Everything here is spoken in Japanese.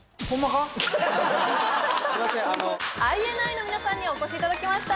ＩＮＩの皆さんにお越しいただきました